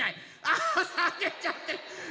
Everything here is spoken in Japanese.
あさげちゃってる！